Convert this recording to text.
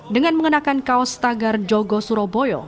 dengan mengenakan kaos tagar jogo suroboyo